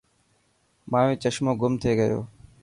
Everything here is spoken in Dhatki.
مايو چشمو گم ٿي گيو.